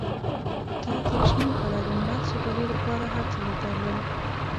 تا دېرش نيم کاله د ملت سوکالۍ لپاره هر څه وبایلل.